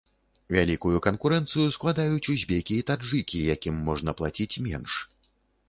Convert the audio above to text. Вялікую канкурэнцыю складаюць узбекі і таджыкі, якім можна плаціць менш.